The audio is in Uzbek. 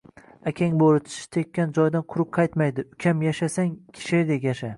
Akang bo`ri, tishi tekkan joydan quruq qaytmaydi, Ukam, yashasang, sherdek yasha